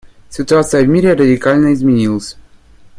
Ситуация в мире радикально изменилась.